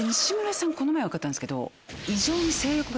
この前分かったんですけど。